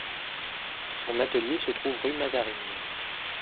Son atelier se trouve rue Mazarine.